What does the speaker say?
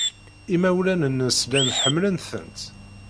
Imawlan-nnes llan ḥemmlen-tent.